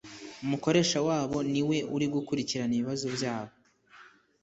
Umukoresha wabo niwe uri gukurikirana ibibazo byabo